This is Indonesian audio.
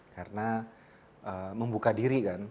karena membuka diri kan